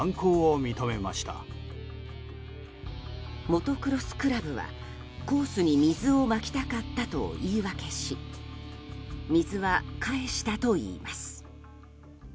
モトクロスクラブはコースに水をまきたかったと言い訳し水は返したといいます。